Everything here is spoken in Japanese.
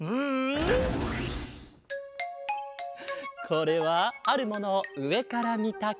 これはあるものをうえからみたかげだ。